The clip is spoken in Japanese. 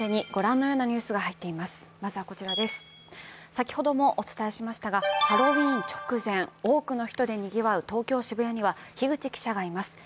先ほどもお伝えしましたがハロウィーン直前、多くの人でにぎわう東京・渋谷には樋口記者がいます。